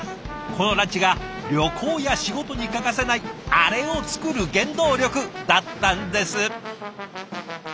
このランチが旅行や仕事に欠かせないアレを作る原動力だったんです。